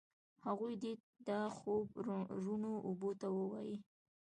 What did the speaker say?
هغوی دي دا خوب روڼو اوبو ته ووایي